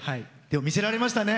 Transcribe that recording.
見せられましたね。